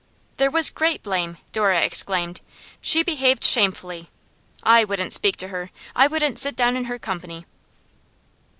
'There was great blame!' Dora exclaimed. 'She behaved shamefully! I wouldn't speak to her; I wouldn't sit down in her company!